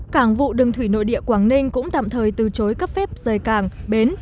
cảng vụ đường thủy nội địa quảng ninh cũng tạm thời từ chối cấp phép rời cảng bến